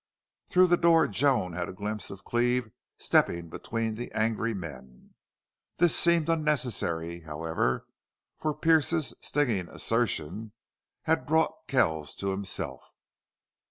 Through the door Joan had a glimpse of Cleve stepping between the angry men. This seemed unnecessary, however, for Pearce's stinging assertion had brought Kells to himself.